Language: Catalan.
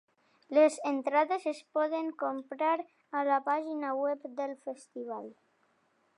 Les entrades es poden comprar a la pàgina web del festival.